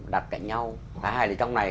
đặt cạnh nhau hay là trong này